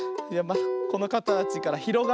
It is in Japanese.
このかたちからひろがってはい。